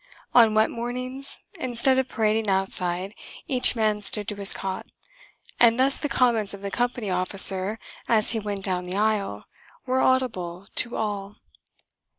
On wet mornings, instead of parading outside, each man stood to his cot, and thus the comments of the Company Officer, as he went down the aisle, were audible to all.